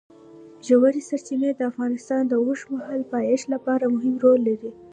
ژورې سرچینې د افغانستان د اوږدمهاله پایښت لپاره مهم رول لري.